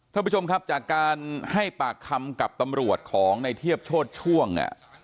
ท่านผู้ชมครับจากการให้ปากคำกับตำรวจของในเทียบโชธช่วง